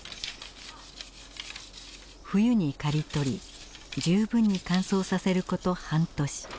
冬に刈り取り十分に乾燥させること半年。